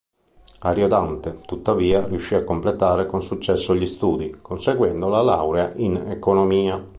Ariodante, tuttavia, riuscì a completare con successo gli studi, conseguendo la laurea in economia.